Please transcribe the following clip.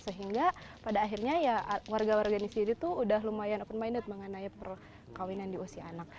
sehingga pada akhirnya ya warga warganya sendiri tuh udah lumayan open minded mengenai perkawinan di usia anak